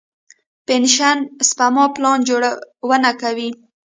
پنشن سپما پلان جوړونه کوي.